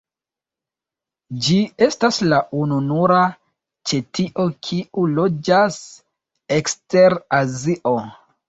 Ĝi estas la ununura ĉetio kiu loĝas ekster Azio.